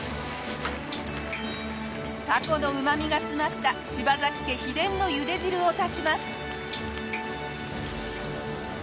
タコのうま味が詰まった柴崎家秘伝の茹で汁を足します。